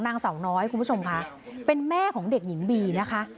นางเสาน้อยคุณผู้ชมค่ะเป็นแม่ของเด็กหญิงบีนะคะ